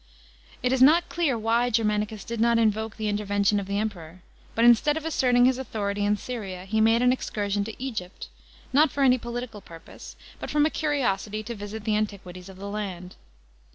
It is not cl ar why Germanicus did not invoke the intervention of the Emperor. But instead ol asserting his authority in Syria, he made an excursion to Ejypt, not for any political pnrp >se, but from a curiosity to visit the antiquities of the land.